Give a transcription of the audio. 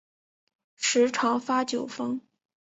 时常发酒疯